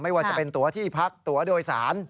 ว่าจะเป็นตัวที่พักตัวโดยสาร